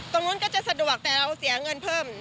ตรงนู้นก็จะสะดวกแต่เราเสียเงินเพิ่ม